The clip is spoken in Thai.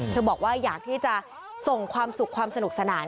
บอกว่าอยากที่จะส่งความสุขความสนุกสนาน